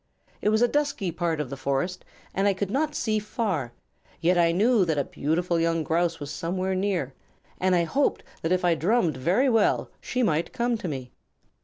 It was a dusky part of the forest and I could not see far, yet I knew that a beautiful young Grouse was somewhere near, and I hoped that if I drummed very well she might come to me."